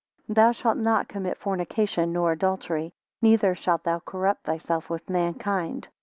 8 Thou shaft not commit fornication, nor adultery. Neither shalt thou corrupt thyself with mankind.